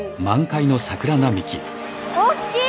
おっきい！